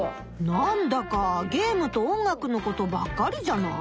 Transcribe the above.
なんだかゲームと音楽のことばっかりじゃない？